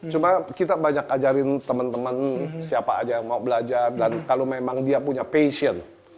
cuma kita banyak ajarin teman teman siapa aja yang mau belajar dan kalau memang dia punya passion